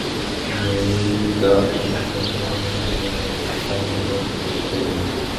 তিনি সৈয়দ আতা উল্লাহ শাহ বুখারীকে নিয়ে আহরার প্রতিষ্ঠা করেন ।